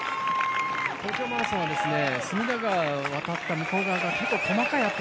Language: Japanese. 東京マラソンは隅田川を渡った向こう側が結構細かいアップ